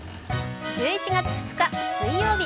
１１月２日水曜日。